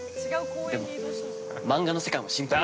でも、漫画の世界も心配だ。